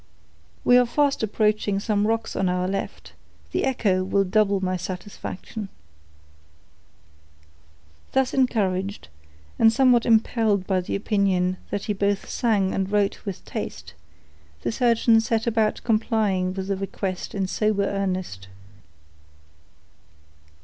"We are fast approaching some rocks on our left; the echo will double my satisfaction." Thus encouraged, and somewhat impelled by the opinion that he both sang and wrote with taste, the surgeon set about complying with the request in sober earnest.